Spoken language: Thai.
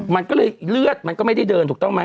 มันก็เลยเลือดมันก็ไม่ได้เดินถูกต้องไหม